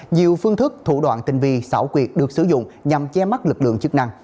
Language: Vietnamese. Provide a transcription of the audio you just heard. nhiều phương thức thủ đoạn tinh vi xảo quyệt được sử dụng nhằm che mắt lực lượng chức năng